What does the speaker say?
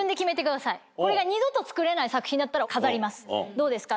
どうですか？